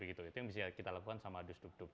itu yang bisa kita lakukan sama dus duk duk